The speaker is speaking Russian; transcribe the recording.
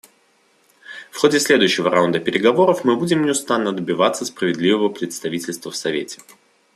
В ходе следующего раунда переговоров мы будем неустанно добиваться справедливого представительства в Совете.